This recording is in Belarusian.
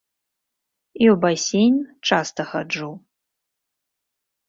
І ў басейн часта хаджу.